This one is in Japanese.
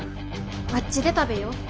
あっちで食べよう。